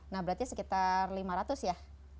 nah berarti sekitar lima ratus ya